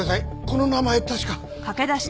この名前確か。